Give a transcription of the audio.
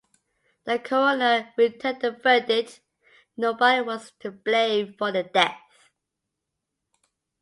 The coroner returned the verdict that nobody was to blame for the death.